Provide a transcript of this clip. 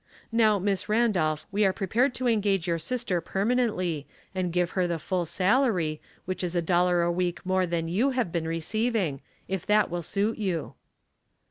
Now, Miss Randolph, we are prepared to engage your sister permanently, and give her the full salary, which is a dollar a week more than you have been receiving, if that will suit you."